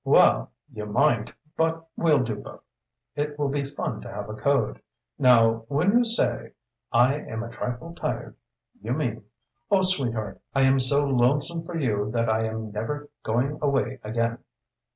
"Well you might, but we'll do both; it will be fun to have a code. Now, when you say 'I am a trifle tired,' you mean 'Oh, sweetheart, I am so lonesome for you that I am never going away again!'"